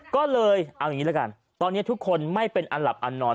ก็เลยเอาอย่างนี้ละกันตอนนี้ทุกคนไม่เป็นอันหลับอันนอน